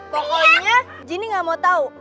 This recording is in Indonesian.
pokoknya gini gak mau tahu